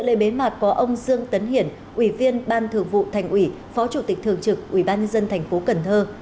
lệ bế mặt có ông dương tấn hiển ủy viên ban thường vụ thành ủy phó chủ tịch thường trực ủy ban nhân dân thành phố cần thơ